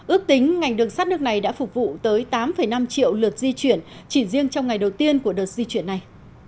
ước tính ngành đường sắt nước này đã phục vụ tới tám năm triệu lượt di chuyển chỉ riêng trong ngày đầu tiên của đợt di chuyển này